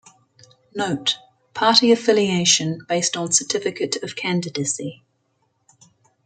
Note: Party affiliation based on Certificate of Candidacy.